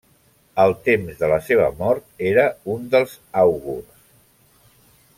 Al temps de la seva mort era un dels àugurs.